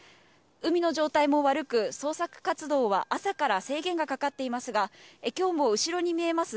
海の状態も悪く、捜索活動は朝から制限がかかっていますが、きょうも後ろに見えます